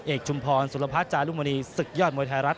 ชุมพรสุรพัฒน์จารุมณีศึกยอดมวยไทยรัฐ